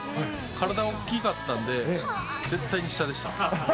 体おっきかったんで、絶対に下でした。